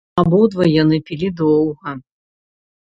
Абодва яны пілі доўга.